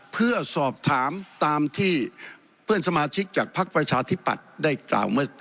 เพื่อสอบถามตามที่เพื่อนสมาชิกจากพรักประชาธิบัติได้กล่าวว่า